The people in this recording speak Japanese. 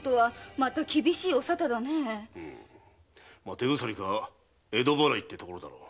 “手鎖”か“江戸払い”というところだろう。